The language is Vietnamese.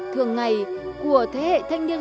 thường ngày của thế hệ thanh niên